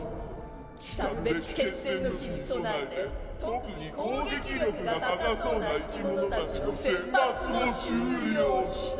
来るべき決戦の日に備えて特に攻撃力が高そうないきものたちの選抜も終了した！